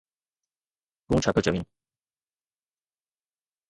تون ڇا پيو چوين؟